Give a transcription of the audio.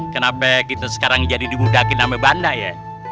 kenapa kita sekarang jadi dibudakin ame bandah ya